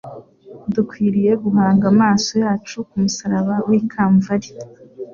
Dukwiriye guhanga amaso yacu ku musaraba w'i Kamvali;